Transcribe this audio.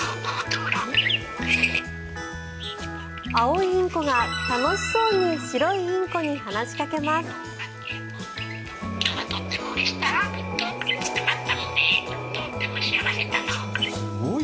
青いインコが、楽しそうに白いインコに話しかけます。